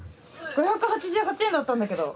５８８円だったんだけど。